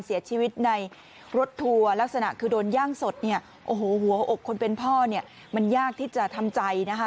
เสียชีวิตในรถทัวร์ลักษณะคือโดนย่างสดเนี่ยโอ้โหหัวอกคนเป็นพ่อเนี่ยมันยากที่จะทำใจนะคะ